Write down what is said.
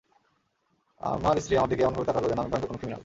আমার স্ত্রী আমার দিকে এমন ভাবে তাকাল যেন আমি ভয়ংকর কোনো ক্রিমিনাল।